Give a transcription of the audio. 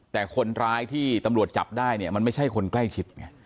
แต่คนร้ายที่ตำรวจจับได้เนี่ยมันไม่ใช่คนใกล้ชิดไง